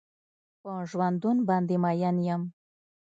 په ژوندون باندې مين يم.